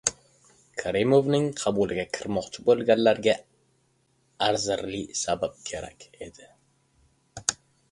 Karimovning qabuliga kirmoqchi boʻlganlarga arzirli sabab kerak edi.